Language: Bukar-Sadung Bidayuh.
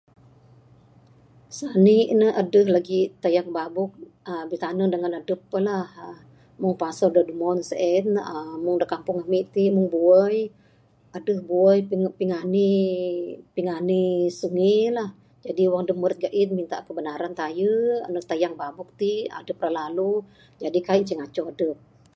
Sani ne adeh lagih tayang babuk bitanen dangan adep la Meng pasal da umon sien uhh Meng da kampung ami ti meng buai adeh buai pinga pingani sungi lah. Wang dep meret gain adep minta kebenaran taye neg tayang babuk ti adep ra lalu jadi kaik ce ngaco adep.